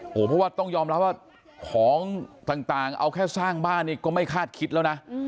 เพราะว่าต้องยอมรับว่าของต่างเอาแค่สร้างบ้านนี่ก็ไม่คาดคิดแล้วนะ